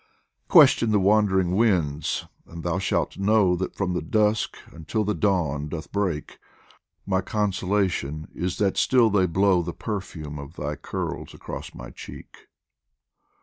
Question the wandering winds and thou shalt know That from the dusk until the dawn doth break, My consolation is that still they blow The perfume of thy curls across my cheek.